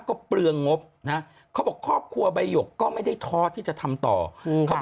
ก็คือสมมุติเราคิดถึง